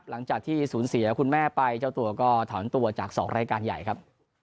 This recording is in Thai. หลังจากที่สูญเสียคุณแม่ไปเจ้าตัวก็ถอนตัวจาก๒รายการใหญ่ครับ